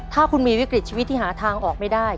ถ้าคุณมีวิกฤตชีวิตที่หาทางออกไม่ได้